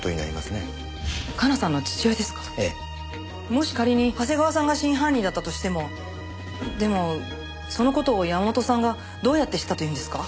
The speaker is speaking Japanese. もし仮に長谷川さんが真犯人だったとしてもでもその事を山本さんがどうやって知ったというんですか？